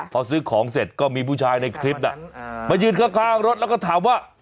พอซื้อของเสร็จก็มีผู้ชายในคลิปมายืนข้างรถแล้วก็ถามว่า